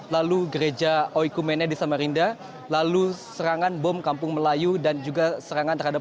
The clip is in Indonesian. lalu gereja oikumene di samarinda lalu serangan bom kampung melayu dan juga serangan terhadap